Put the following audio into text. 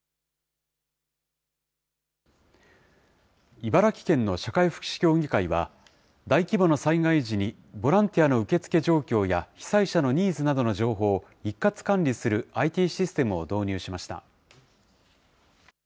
茨城県の社会福祉協議会は、大規模な災害時にボランティアの受け付け状況や被災者のニーズなどの情報を一括管理するＩＴシステムを導入しました。